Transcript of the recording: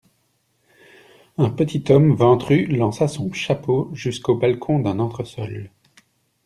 Un petit homme ventru lança son chapeau jusqu'au balcon d'un entresol.